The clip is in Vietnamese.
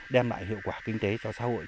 đem lại hiệu quả kinh tế cho xã hội